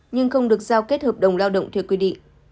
nhưng không được giao kết hợp đồng lao động theo quy định